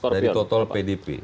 dari total pdp